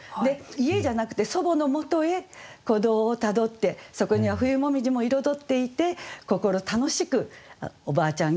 家じゃなくて祖母のもとへ古道をたどってそこには冬紅葉も彩っていて心楽しく「おばあちゃん